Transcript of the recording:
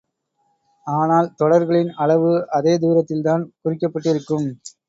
ஆனால், தொடர்களின் அளவு அதே தூரத்தில்தான் குறிக்கப்பட்டிருக்கும்.